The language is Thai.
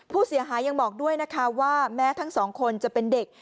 ผู้เสียหายยังบอกด้วยนะคะว่าแม้ทั้งสองคนจะเป็นเด็ก